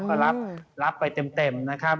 ก็รับไปเต็มนะครับ